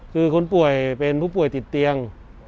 คือคนป่วยเป็นผู้ป่วยติดเตียง